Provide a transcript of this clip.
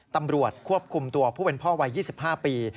ตำรวจควบคุมตัวผู้เป็นพ่อวัย๒๕ปี